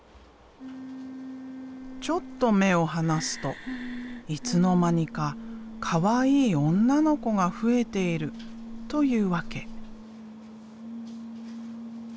ちょっと目を離すといつの間にかかわいい女の子が増えているというわけ。